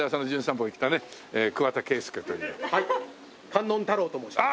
観音太郎と申します。